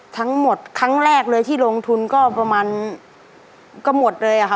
ครั้งแรกเลยที่ลงทุนก็ประมาณก็หมดเลยอะค่ะ